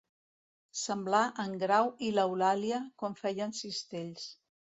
Semblar en Grau i l'Eulàlia quan feien cistells.